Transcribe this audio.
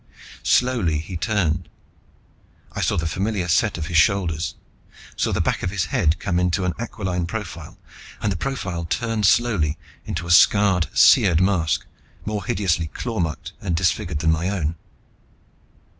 Slowly he turned. I saw the familiar set of his shoulders, saw the back of his head come into an aquiline profile, and the profile turn slowly into a scarred, seared mask more hideously claw marked and disfigured than my own.